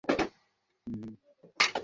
কোনো বিরতি ছাড়াই!